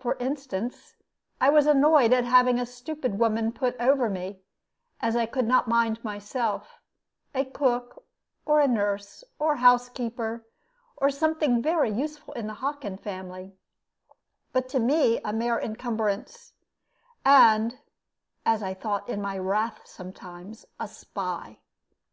For instance, I was annoyed at having a stupid woman put over me, as if I could not mind myself a cook, or a nurse, or housekeeper, or something very useful in the Hockin family, but to me a mere incumbrance, and (as I thought in my wrath sometimes) a spy.